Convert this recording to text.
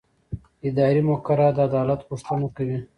اداري مقررات د عدالت غوښتنه کوي.